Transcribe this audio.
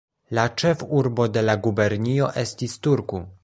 La ĉefurbo de la gubernio estis Turku.